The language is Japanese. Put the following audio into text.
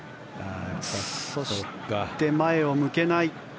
そして前を向けない。